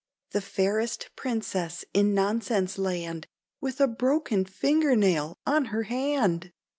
The fairest princess in Nonsense Land, With a broken finger nail on her hand!